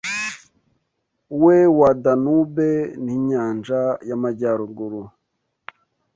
We wa Danube ninyanja y'Amajyaruguru